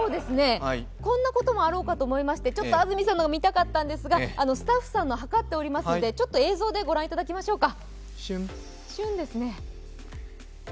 こんなこともあろうかと思いまして、安住さんのも見たかったんですがスタッフさんも計っておりますので映像でご覧いただきましょうか。